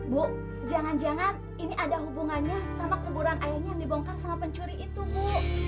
bu jangan jangan ini ada hubungannya sama kuburan ayahnya yang dibongkar sama pencuri itu bu